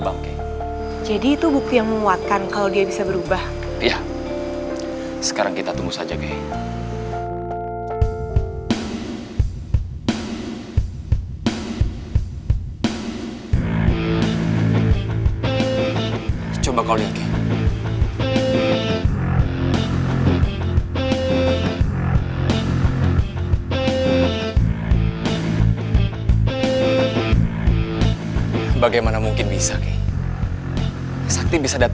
ini pasti bagian dari rencana mereka